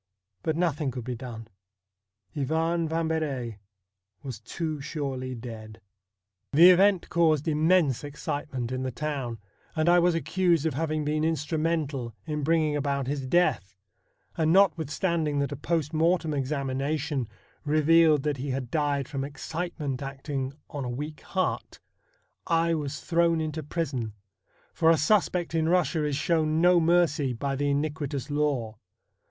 But no thing could be done. Ivan Vambery was too surely dead. The event caused immense excitement in the town, and I was accused of having been instrumental in bringing about his death, and, notwithstanding that a post mortem examina tion revealed that he had died from excitement acting on a weak heart, I was thrown into prison, for a suspect in Eussia is shown no mercy by the iniquitous law.